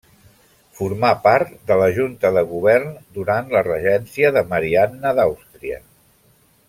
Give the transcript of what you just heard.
Formà part de la Junta de Govern durant la regència de Marianna d'Àustria.